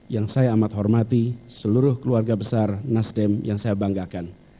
yang saya amat hormati seluruh keluarga besar nasdem yang saya banggakan